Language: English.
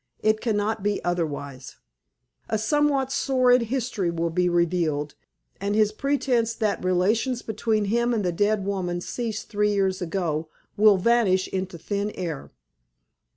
It cannot be otherwise. A somewhat sordid history will be revealed, and his pretense that relations between him and the dead woman ceased three years ago will vanish into thin air.